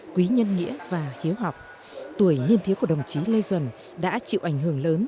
quý nhân nghĩa và hiếu học tuổi niên thiếu của đồng chí lê duẩn đã chịu ảnh hưởng lớn